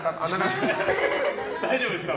大丈夫です。